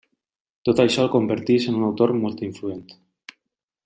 Tot això el converteix en un autor molt influent.